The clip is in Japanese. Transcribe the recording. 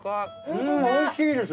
うんおいしいです。